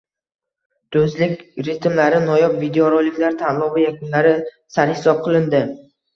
“Do‘stlik ritmlari” noyob videoroliklar tanlovi yakunlari sarhisob qilindi